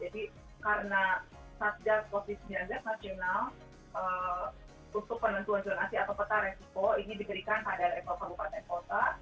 jadi karena saatnya covid sembilan belas nasional untuk penentuan donasi atau peta resiko ini diberikan keadilan kabupaten kota